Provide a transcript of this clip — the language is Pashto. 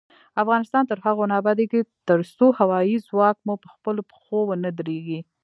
افغانستان تر هغو نه ابادیږي، ترڅو هوايي ځواک مو پخپلو پښو ونه دریږي.